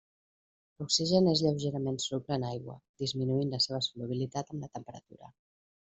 L'oxigen és lleugerament soluble en aigua, disminuint la seva solubilitat amb la temperatura.